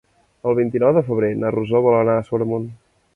El vint-i-nou de febrer na Rosó vol anar a Sobremunt.